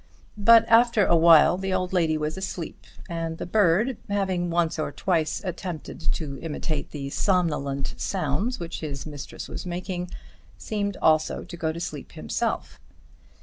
But, after awhile, the old lady was asleep, and the bird, having once or twice attempted to imitate the somnolent sounds which his mistress was making, seemed also to go to sleep himself.